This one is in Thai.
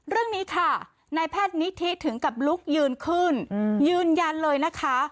เรื่องนี้ค่ะนายแพทย์นิธิถึงกับลุกยืนขึ้นยืนยันเลยนะคะ